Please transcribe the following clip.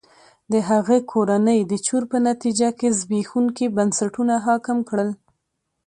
د هغه کورنۍ د چور په نتیجه کې زبېښونکي بنسټونه حاکم کړل.